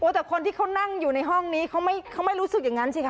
แต่คนที่เขานั่งอยู่ในห้องนี้เขาไม่รู้สึกอย่างนั้นสิคะ